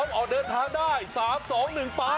พร้อมเอาเดินทางได้๓๒๑ไป